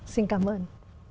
xin cảm ơn